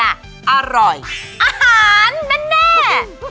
อาหารนั่นแน่